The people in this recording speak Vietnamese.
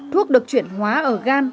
thuốc được chuyển hóa ở gan